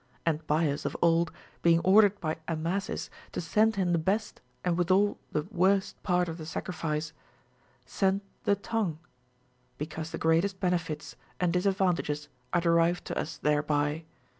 And Bias of old, being ordered by Amasis to send him the best and withal the worst part of the sacrifice, sent the tongue ; because the greatest benefits and disadvantages are derived to us thereby.